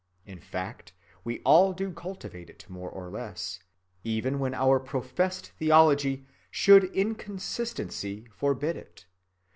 In fact, we all do cultivate it more or less, even when our professed theology should in consistency forbid it.